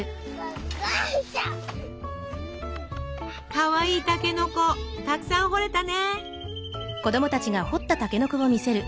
かわいいたけのこたくさん掘れたね！